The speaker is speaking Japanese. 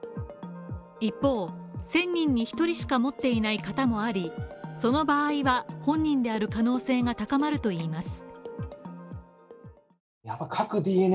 一方、１０００人に１人しか持っていない型もあり、その場合は本人である可能性が高まるといいます。